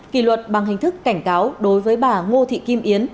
kỷ luật bằng hình thức cảnh cáo đối với bà ngô thị kim yến